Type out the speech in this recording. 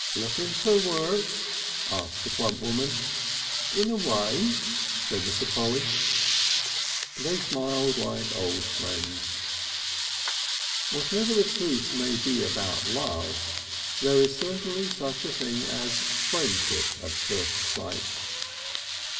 "Looking for work?" asked the plump woman. "In a way," said Mr. Polly. They smiled like old friends. Whatever the truth may be about love, there is certainly such a thing as friendship at first sight.